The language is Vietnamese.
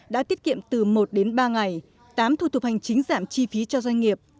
đã tiết kiệm từ một đến ba ngày tám thủ tục hành chính giảm chi phí cho doanh nghiệp